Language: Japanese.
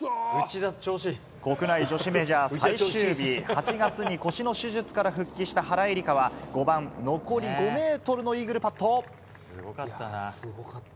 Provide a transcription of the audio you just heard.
国内女子メジャー最終日、８月に腰の手術から復帰した原英莉花は、５番残り５メートルのイーグルパット。